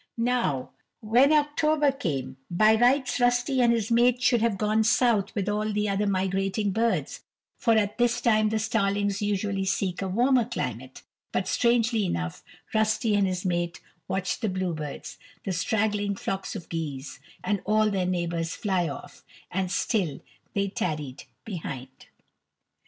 Now, when October came, by rights Rusty and his mate should have gone south with all the other migrating birds, for at this time the starlings usually seek a warmer climate; but strangely enough, Rusty and his mate watched the bluebirds, the straggling flocks of geese and all their neighbors fly off, and still they tarried behind.